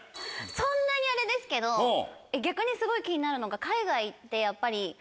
そんなにあれですけど逆にすごい気になるのが海外ってやっぱり。